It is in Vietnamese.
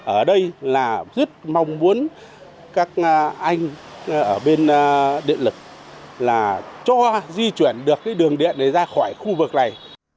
ở đây là rất mong muốn các anh ở bên điện lực là cho di chuyển được cái đường điện này ra khỏi khu vực này